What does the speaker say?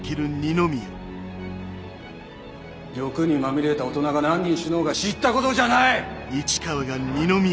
欲にまみれた大人が何人死のうが知ったことじゃない！